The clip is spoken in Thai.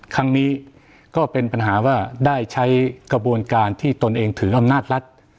ครั้งนี้ก็เป็นปัญหาว่าได้ใช้กระบวนการที่ตนเองถืออำนาจรัฐ